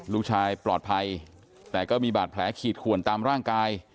ลูกชายปลอดภัยแต่ก็มีบาดแผลขีดขวนตามร่างกาย